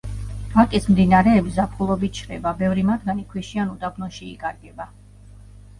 ვაკის მდინარეები ზაფხულობით შრება, ბევრი მათგანი ქვიშიან უდაბნოში იკარგება.